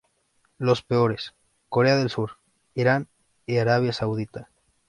Los peores, Corea del Sur, Irán y Arabia Saudita.